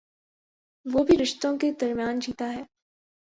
وہ بھی رشتوں کے درمیان جیتا ہے۔